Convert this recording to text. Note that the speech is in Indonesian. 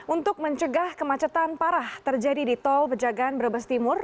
untuk mencegah kemacetan parah terjadi di tol pejagaan brebes timur